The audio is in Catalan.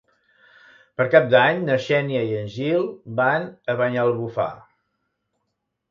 Per Cap d'Any na Xènia i en Gil van a Banyalbufar.